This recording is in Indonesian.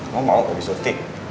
kamu mau gue di shoot in